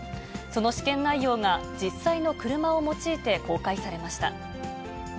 その試験内容が、実際の車を用いて公開されました。